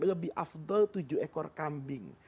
lebih afdol tujuh ekor kambing